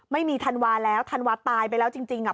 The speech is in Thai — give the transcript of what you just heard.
ไม่มีธันวาคแล้วธันวาคตายไปแล้วจริง